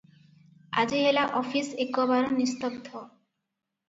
ଆଜି ହେଲା ଅଫିସ ଏକବାର ନିସ୍ତବ୍ଧ ।